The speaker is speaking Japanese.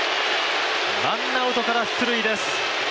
ワンアウトから出塁です。